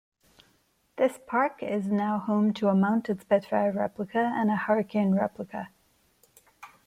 This park is now home to a mounted Spitfire replica and a Hurricane replica.